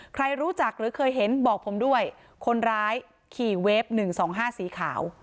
ใครรู้จักหรือเคยเห็นบอกผมด้วยคนร้ายขี่เวฟ๑๒๕สีขาว